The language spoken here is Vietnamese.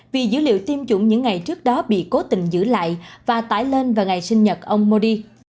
vì dữ liệu tiêm chủng những ngày trước đó bị cố tình giữ lại và tải lên vào ngày sinh nhật ông modi